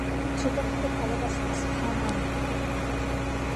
সেখানে ছোটখাটো ভালবাসার স্থান আর নেই।